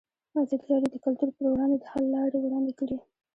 ازادي راډیو د کلتور پر وړاندې د حل لارې وړاندې کړي.